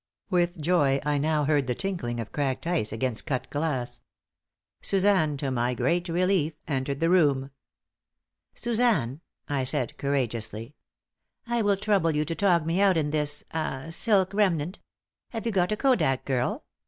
With joy, I now heard the tinkling of cracked ice against cut glass. Suzanne, to my great relief, entered the room. "Suzanne," I said, courageously, "I will trouble you to tog me out in this ah silk remnant. Have you got a kodak, girl?"